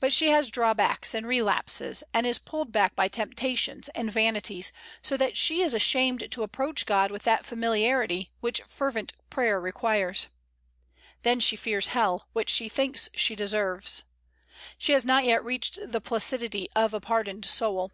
But she has drawbacks and relapses, and is pulled back by temptations and vanities, so that she is ashamed to approach God with that familiarity which frequent prayer requires. Then she fears hell, which she thinks she deserves. She has not yet reached the placidity of a pardoned soul.